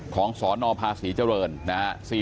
ของสนพศเจริญนะครับ